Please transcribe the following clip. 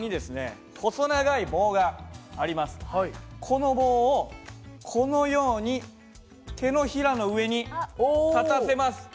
この棒をこのように手のひらの上に立たせます。